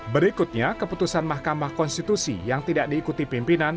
berikutnya keputusan mahkamah konstitusi yang tidak diikuti pimpinan